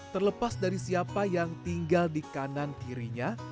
terlepas dari siapa yang tinggal di kanan kirinya